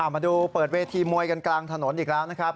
มาดูเปิดเวทีมวยกันกลางถนนอีกแล้วนะครับ